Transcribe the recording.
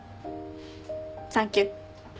サンキュ。